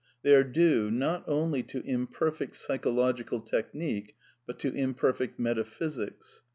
They are due, not only to imperfect psychological technique, but to imperfect metaphysics.